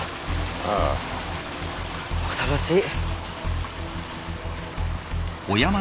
ああ恐ろしい！